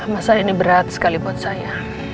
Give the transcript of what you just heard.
masa ini berat sekali buat saya